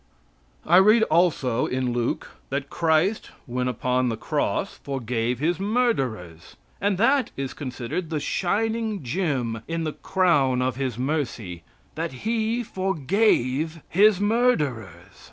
I read also in Luke that Christ when upon the cross forgave His murderers, and that is considered the shining gem in the crown of His mercy that He forgave His murderers.